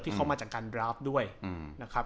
เข้ามาจากการดราฟด้วยนะครับ